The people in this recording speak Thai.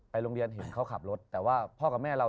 โรงเรียนเห็นเขาขับรถแต่ว่าพ่อกับแม่เรา